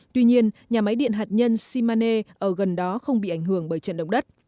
tuy nhiên nhà máy điện hạt nhân shimane ở gần đó không bị ảnh hưởng bởi trận động đất